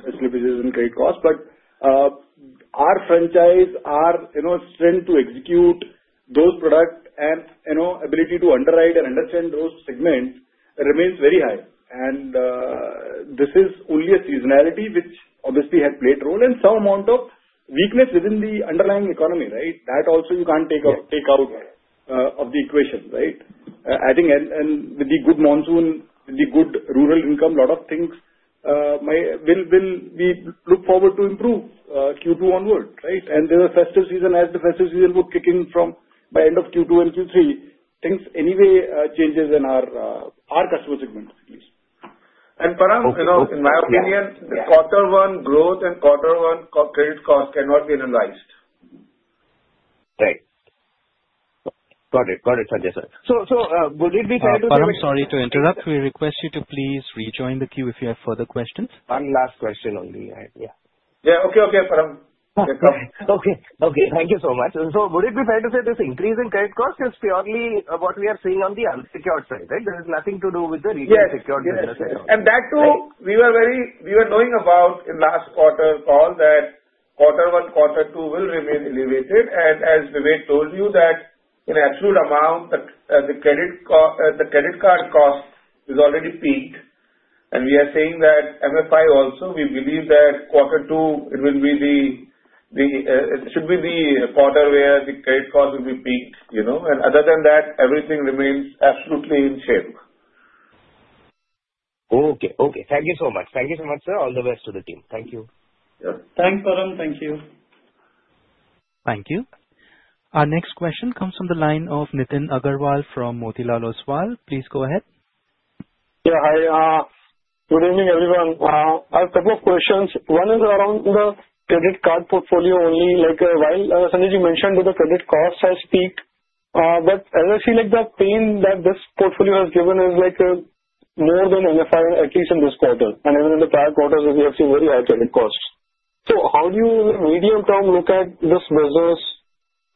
credit costs. Our franchise, our strength to execute those products, and ability to underwrite and understand those segments remains very high. This is only a seasonality which obviously had played a role, and some amount of weakness within the underlying economy. That also you can't take out of the equation. Right. I think the good monsoon, the good rural income, a lot of things we look forward to improve Q2 onward. There is a festive season as the festive season would kick in by end of Q2 and Q3. Anyway, changes in our customer segment. In my opinion, the Q1 growth and Q1 credit cost cannot be analyzed. Right, got it. Got it, Sanjay sir. Would it be. Sorry to interrupt. We request you to please rejoin the queue if you have further questions. One last question only. Yeah. Yeah, okay. Okay. Okay. Thank you so much. Would it be fair to say. This increase in credit cost is purely. What we are seeing on the unsecured side? There is nothing to do with the retail secured business. We were very, we were knowing about in last quarter call that Q1, Q2 will remain elevated. As Vivek told you, in absolute amount the credit card cost is already peaked. We are saying that MFI also, we believe that Q2, it should be the quarter where the credit cost will be peaked. Other than that, everything remains absolutely in shape. Okay. Thank you so much. Thank you so much, sir. All the best to the team. Thank you. Thanks, Param. Thank you. Thank you. Our next question comes from the line of Nitin Aggarwal from Motilal Oswal. Please go ahead. Yeah. Hi, good evening everyone. I have a couple of questions. One is around the credit card portfolio only. Like while Sanjay, you mentioned that the credit cost has peaked, as I see, like the pain that this portfolio has given is like more than MFI. At least in this quarter and even. In the prior quarters, we have seen. Very high credit costs. How do you in the medium term look at this business,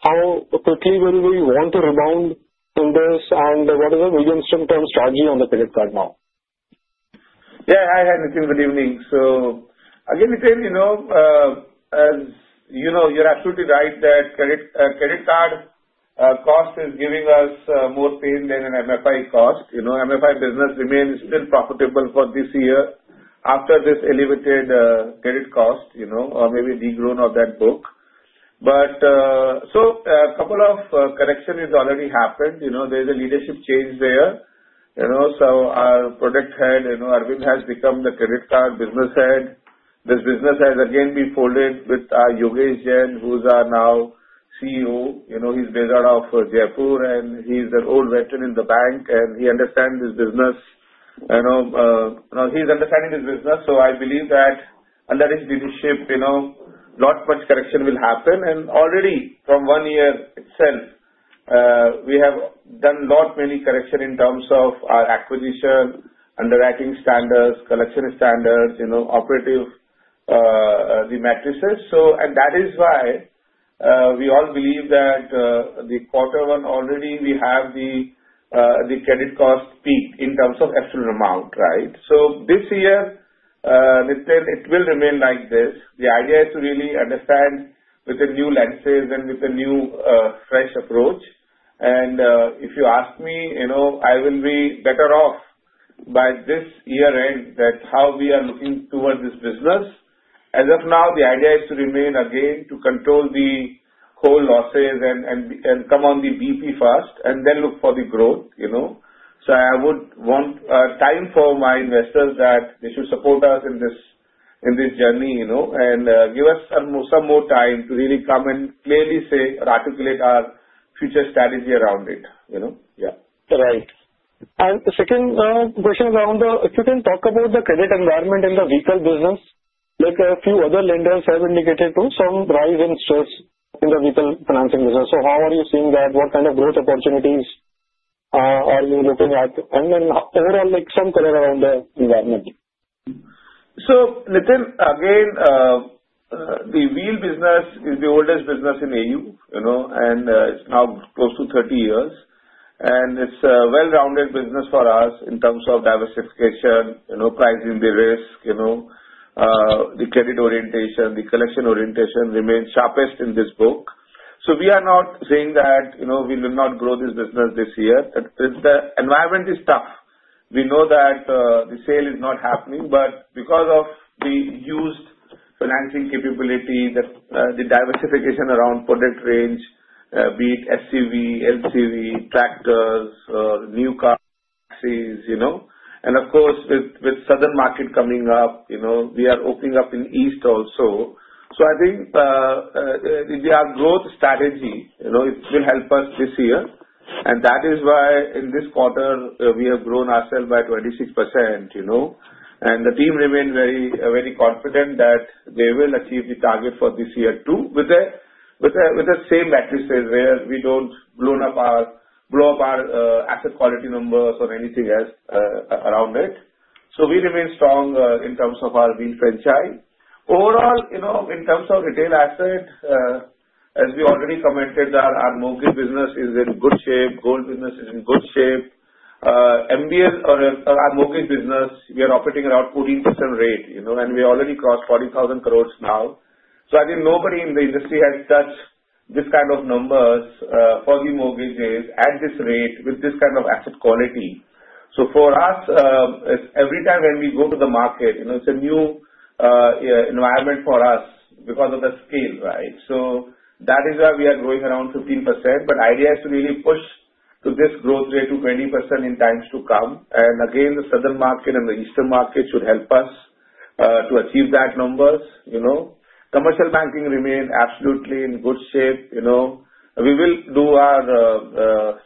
how quickly will we want to rebound in this, and what is the medium-term strategy? On the credit card now? Yeah. Hi. Hi Nitin. Good evening. Nitin, you're absolutely right that credit card cost is giving us more pain than an MFI cost. MFI business remains still profitable for this year after this elevated credit cost or maybe regrown of that book. A couple of corrections have already happened. There's a leadership change there. Our product head Arvind has become the credit card business head. This business has again been folded with Yogesh Jain, who's now CEO. He's based out of Jaipur and he's an old veteran in the bank and he understands his business. I believe that under his leadership not much correction will happen. Already from one year itself we have done a lot of correction in terms of our acquisition underwriting standards, collection standards, operating the metrics. That is why we all believe that in Q1 already we have the credit cost peak in terms of actual amount. This year, Nitin, it will remain like this. The idea is to really understand with the new lenses and with a new fresh approach. If you ask me, I will be better off by this year-end. That is how we are looking towards this business as of now. The idea is to remain again to control the losses and come on the BP first and then look for the growth. I would want time for my investors that they should support us in this journey and give us some more time to really come and clearly say or articulate our future strategy around it. Yeah, right. The second question, if you can talk about the credit environment in the vehicle business, like a few other lenders have indicated to some rise in stress in the vehicle financing business. How are you seeing that? What kind of growth opportunities are you looking at? Overall, some color around the environment. Nitin, again the Wheels business is the oldest business in AU Small Finance Bank and it's now close to 30 years. It's a well-rounded business for us in terms of diversification, pricing, the risk, the credit orientation, and the collection orientation remains sharpest in this book. We are not saying that we will not grow this business this year. The environment is tough, we know that the sale is not happening. Because of the used financing capability, the diversification around product range, be it SCV, LCV, tractors, new cars, and of course with southern market coming up, we are opening up in eastern India also. I think our growth strategy will help us this year and that is why in this quarter we have grown ourselves by 26% and the team remains very confident that they will achieve the target for this year too with the same matrices where we don't blow up our asset quality numbers or anything else around it. We remain strong in terms of our Wheels franchise overall. In terms of retail assets, as we already commented, our mortgage business is in good shape. Gold business is in good shape. MBL, our mortgage business, we are operating around 14% rate and we already crossed 40,000 crore now. I think nobody in the industry has touched this kind of numbers for the mortgages at this rate with this kind of asset quality. For us, every time when we go to the market, it's a new environment for us because of the scale. Right. That is why we are growing around 15%. The idea is to really push this growth rate to 20% in times to come. Again, the southern market and the eastern market should help us to achieve those numbers. Commercial banking remains absolutely in good shape. We will do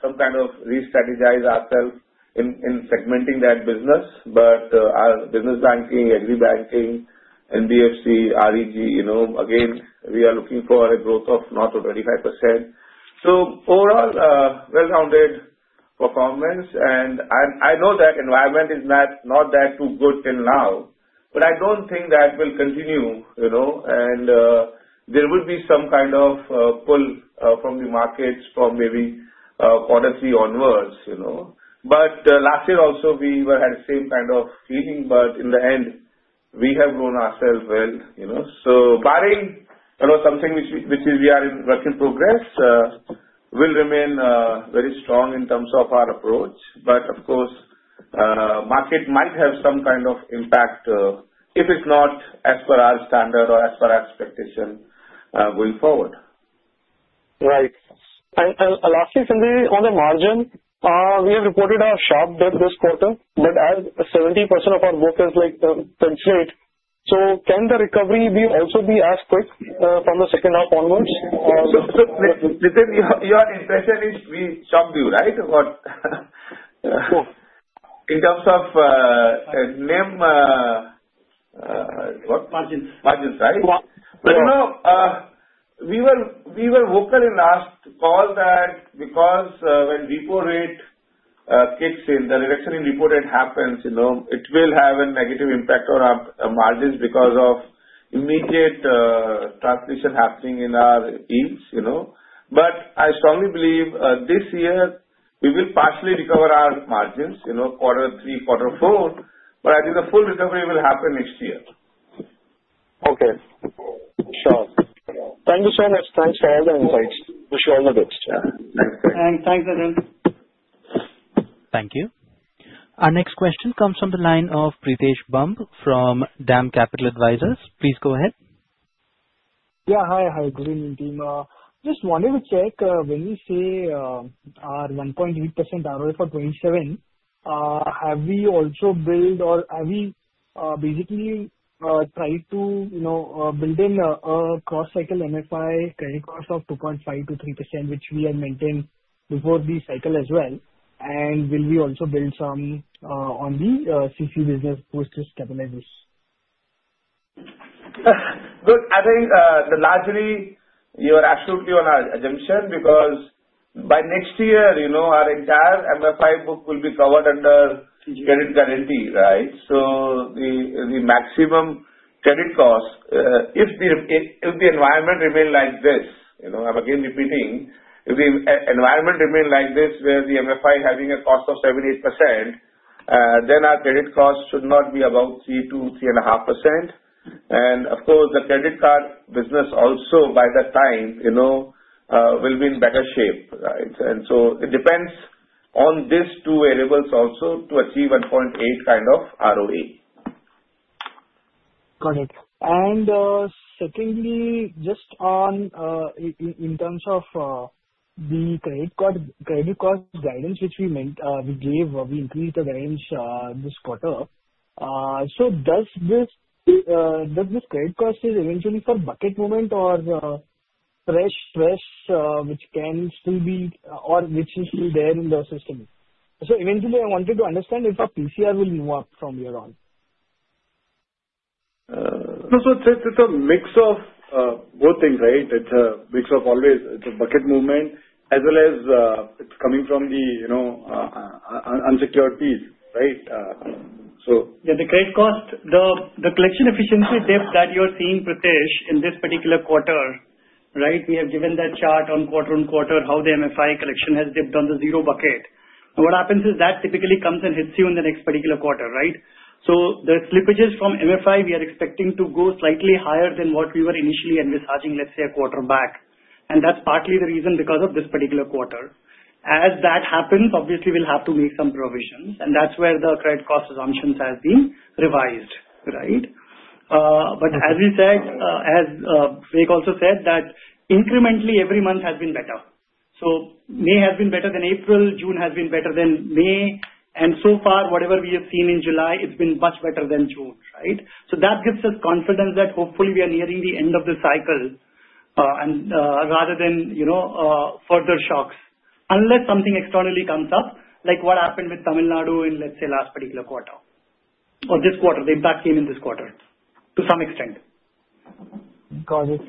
some kind of re-strategizing ourselves in segmenting that business. Our business banking, agri-banking, NBFC reg, you know, again we are looking for a growth of north of 25%. Overall, well-rounded performance. I know that environment is not that too good till now, but I don't think that will continue and there would be some kind of pull from the markets from maybe Q3 onwards. Last year also we had the same kind of feeling. In the end we have grown ourselves. Barring something which we are in work-in-progress, we will remain very strong in terms of our approach. Of course, market might have some kind of impact if it's not as per our standard or as per our expectation going forward. Right. Lastly, Sanjay, on the margin, we have reported a sharp dip this quarter, but as 70% of our book is like, so can the recovery also be as quick from the second half onwards? Your impression is, in terms of name, what margins, margins right now. We were vocal in last call that because when repo rate kicks in, the reduction in repo rate happens, you know, it will have a negative impact on our margins because of immediate transition happening in our yields, you know. I strongly believe this year we will partially recover our margins, Q3, Q4. I think the full recovery will happen next year. Okay, sure. Thank you so much. Thanks for all the insights. Wish you all the best. Thanks Nitin. Thank you. Our next question comes from the line of Pritesh Bumb from DAM Capital Advisors. Please go ahead. Hi. Good evening team. Just wanted to check when we say our 1.8% ROE for 2027, have we also built or have we basically tried to build in a cross-cycle MFI credit cost of 2.5% to 3% which we have maintained before the cycle as well, and will we also build some on the credit card business post just capitalizes. Good. I think largely you are absolutely on our assumption because by next year, you know our entire MFI book will be covered under credit guarantee. Right. The maximum credit cost if the environment remain like this, you know, I'm again repeating, if the environment remain like this where the MFI having a cost of 7-8%, then our credit cost should not be above 3-3.5%. Of course, the credit card business also by that time will be in better shape. It depends on these two variables also to achieve 1.8% kind of ROE. Got it. Secondly, in terms of the credit cost guidance which we gave, we increased the guidance this quarter. Does this credit cost eventually account for bucket movement or fresh stress which is still there in the system? I wanted to understand if a PCR will move up from here on. No. It is a mix of both things, right? It is a mix of always, it is a bucket movement as well as it is coming from the, you know, unsecured piece. Right. The credit cost, the collection efficiency dip that you're seeing, Pritesh, in this particular quarter, right, we have given that chart on quarter-on-quarter how the MFI collection has dipped on the zero bucket. What happens is that typically comes in. Hits you in the next particular quarter. Right. The slippages from microfinance (MFI) we are expecting to go slightly higher than what. We were initially envisaging, let's say, a quarter back. That's partly the reason. Because of this particular quarter, as that happens, obviously we'll have to make some. Provisions, and that's where the credit cost assumptions have been revised. Right. As we said, as Vivek also said, incrementally every month has been better. May has been better than April, June has been better than May, and so far, whatever we have seen in July, it's been much better than June. Right. That gives us confidence that hopefully we are nearing the end of the cycle. Rather than further shocks, unless something externally comes up, like what happened with Tamil Nadu in, let's say, last particular quarter or this quarter, the impact came in this quarter to some extent. Got it.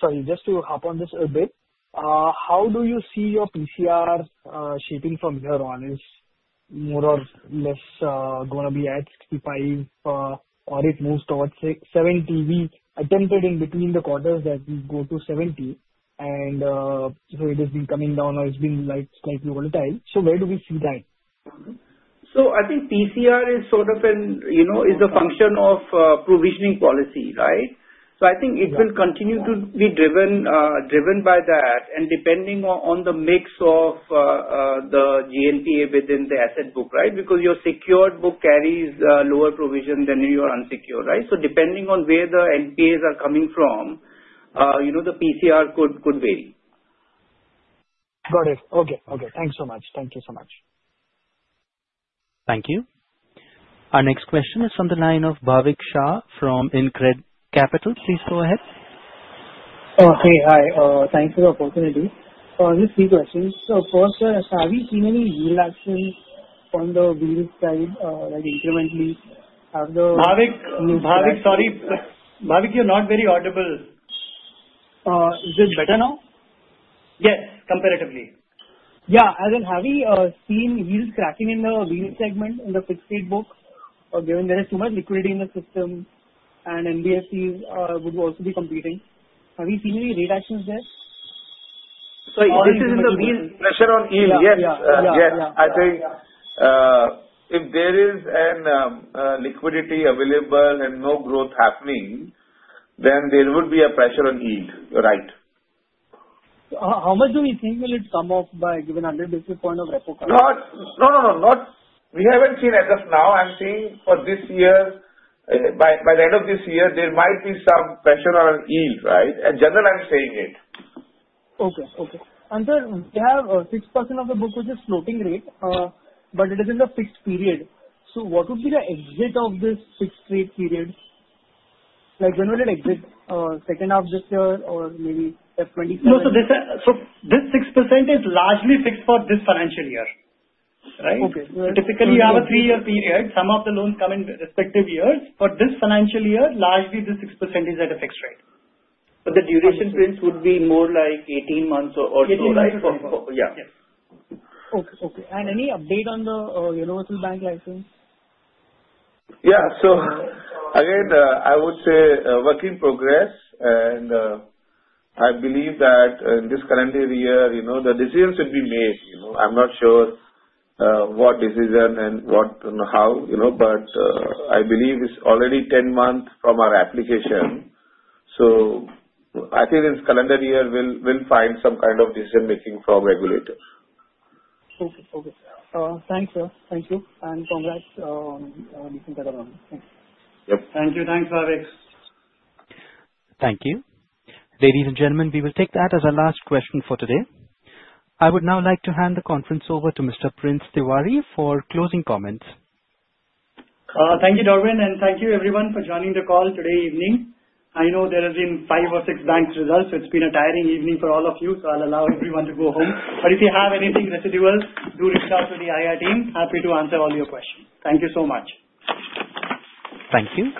Sorry, just to hop on this a bit, how do you see your PCR shaping from here on? Is it more or less going to be at 65% or does it move towards 70%? We attempted in between the quarters that we go to 70% and it has been coming down or it's been slightly volatile. Where do we see that? I think PCR is sort of. It is a function of provisioning policy. Right. I think it will continue to be driven by that and depending on the mix of the GNPA within the asset book. Right. Because your secured book carries lower provision than your unsecured. Right. Depending on where the NPAs are coming from, you know, the PCR could vary. Got it. Okay, okay, thanks so much. Thank you so much. Thank you. Our next question is from the line of Bhavik Shah from Incred Capital. Please go ahead. Thanks for the opportunity. Just three questions. First, have you seen any action on the Wheels side incrementally? Sorry, Bhavik, you're not very audible. Is it better now? Yes, comparatively. Yeah. As in, have we seen yields cracking in the Wheels segment in the fixed rate book, given there is too much liquidity in the system and NBFCs would also be competing? Have we seen any rate actions there? There is pressure on yield. Yes, I think if there is liquidity available and no growth happening, then there would be a pressure on yield. Right. How much do we think will it come off by given 100 bps of repo? No, no, no. We haven't seen as of now. I'm seeing for this year, by the end of this year, there might be some pressure on yield. Right. In general, I'm saying it. Okay, okay. 6% of the book which is floating rate, but it is in the fixed period. What would be the exit of this fixed rate period? Like when will it exit? Second half this year or maybe 2025. This 6% is largely fixed for this financial year. Typically, you have a three-year period. Some of the loans come in respective years. For this financial year, largely the 6% is at a fixed rate, but the duration prints would be more. Like 18 months or so. Yeah. Okay. Any update on the universal bank license? Yeah, I would say work in progress and I believe that in this current year, the decision should be made. I'm not sure what decision and how, you know. I believe it's already 10 months from our application. I think this calendar year we'll find some kind of decision-making from regulators. Thanks, sir. Thank you and congrats. Thank you. Thanks. Thank you, ladies and gentlemen. We will take that as our last question for today. I would now like to hand the conference over to Mr. Prince Tiwari for closing comments. Thank you, Darwin. Thank you, everyone, for joining the call today evening. I know there have been five or six bank results, so it's been a tiring evening for all of you. I'll allow everyone to go home. If you have anything residual, do reach out to the IR team. Happy to answer all your questions. Thank you so much. Thank you.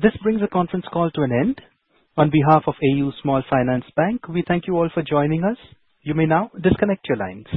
This brings the conference call to an end. On behalf of AU Small Finance Bank, we thank you all for joining us. You may now disconnect your lines.